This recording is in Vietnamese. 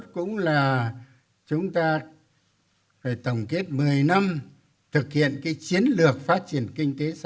hai nghìn hai mươi một cũng là chúng ta phải tổng kết một mươi năm thực hiện chiến lược phát triển kinh tế xã hội